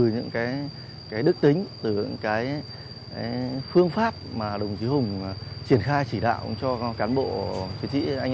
những cái đức tính từ những cái phương pháp mà đồng chí hùng triển khai chỉ đạo cho cán bộ chiến sĩ anh